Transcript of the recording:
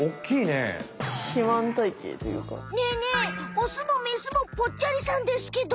オスもメスもぽっちゃりさんですけど。